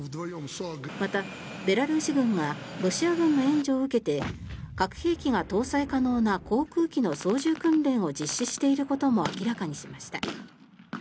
またベラルーシ軍がロシア軍の援助を受けて核兵器が搭載可能な航空機の操縦訓練を実施していることも明らかにしました。